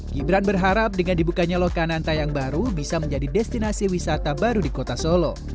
gibran berharap dengan dibukanya lokananta yang baru bisa menjadi destinasi wisata baru di kota solo